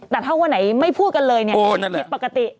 แต่ถ้าวันไหนไม่พูดกันเลยเนี่ยผิดปกติ